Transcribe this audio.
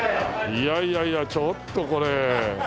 いやいやいやちょっとこれ。